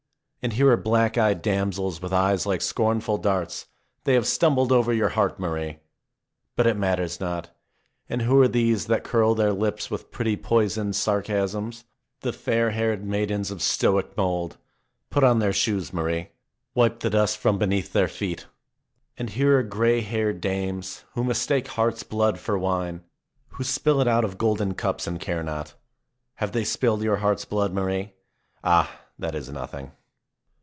And here are black eyed damsels, with eyes like scornful darts; they have stumbled over your heart, Marie. But it matters not. And who are these that curl their lips with pretty, poisoned sarcasms? The fair haired maidens of stoic mold. Put on their shoes, Marie. Wipe the dust from beneath their feet. And here are gray haired dames, who mistake heart's blood for wine, who spill it out of golden cups and care not. Have they spilled your heart's blood, Marie ? Ah ! that is nothing.